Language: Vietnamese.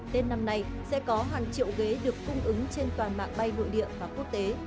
tết năm nay sẽ có hàng triệu ghế được cung ứng trên toàn mạng bay nội địa và quốc tế